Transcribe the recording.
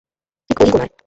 ঠিক ওই কোণায়।